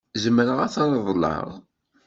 Zemreɣ ad t-reḍleɣ?